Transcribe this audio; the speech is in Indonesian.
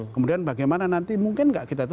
kemudian bagaimana nanti mungkin nggak kita itu